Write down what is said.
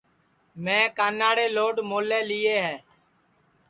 میں کاناڑے لوڈ مولے لِیئے ہے